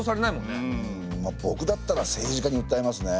ぼくだったら政治家にうったえますね。